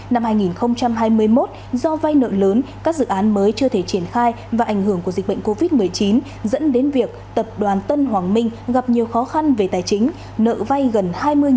năm hai nghìn hai mươi một do vay nợ lớn các dự án mới chưa thể triển khai và ảnh hưởng của dịch bệnh covid một mươi chín dẫn đến việc tập đoàn tân hoàng minh gặp nhiều khó khăn về tài chính nợ vay gần hai mươi tỷ đồng